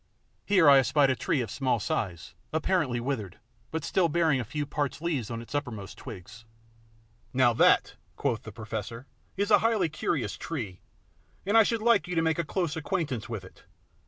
Here I espied a tree of small size, apparently withered, but still bearing a few parched leaves on its uppermost twigs. "Now that," quoth the professor, "is a highly curious tree, and I should like you to make a close acquaintance with it.